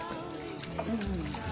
うん。